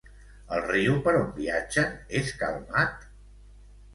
El riu per on viatgen és calmat?